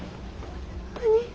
何？